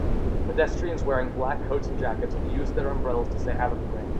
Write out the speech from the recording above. Pedestrians wearing black coats and jackets, use their umbrellas to stay out of the rain.